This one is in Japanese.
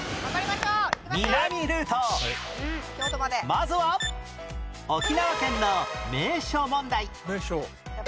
まずは沖縄県の名所問題名所。